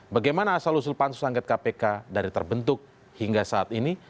bagaimana asal usul pansus angket kpk dari terbentuk hingga saat ini